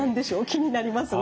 気になりますね。